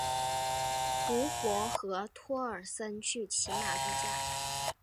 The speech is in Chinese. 胡佛和托尔森去骑马度假。